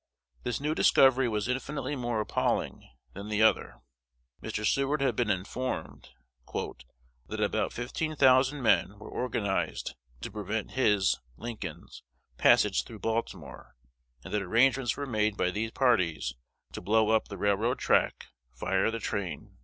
This new discovery was infinitely more appalling than the other. Mr. Seward had been informed "that about fifteen thousand men were organized to prevent his (Lincoln's) passage through Baltimore, and that arrangements were made by these parties _to blow up the railroad track, fire the train.